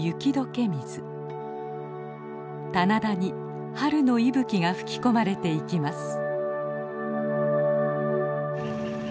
棚田に春の息吹きが吹き込まれていきます。